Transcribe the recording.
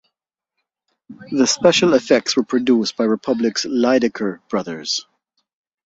The special effects were produced by Republic's Lydecker brothers.